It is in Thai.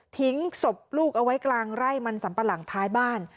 ศพลูกเอาไว้กลางไร่มันสัมปะหลังท้ายบ้าน